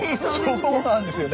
そうなんですよね。